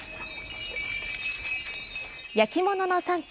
焼き物の産地